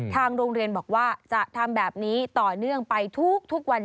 ทางโรงเรียนบอกว่าจะทำแบบนี้ต่อเนื่องไปทุกวัน